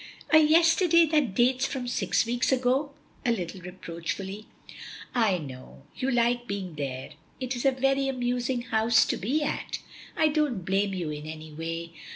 "A yesterday that dates from six weeks ago," a little reproachfully. "I know. You like being there. It is a very amusing house to be at. I don't blame you in any way.